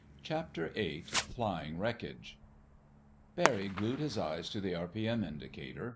CHAPTER EIGHT FLYING WRECKAGE Barry glued his eyes to the r.p.m. indicator.